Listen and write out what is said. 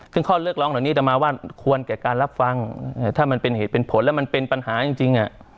ซึ่งข้อเรียกร้องเหล่านี้จะมาว่าควรแก่การรับฟังถ้ามันเป็นเหตุเป็นผลแล้วมันเป็นปัญหาจริง